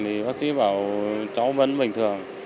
thì bác sĩ bảo cháu vẫn bình thường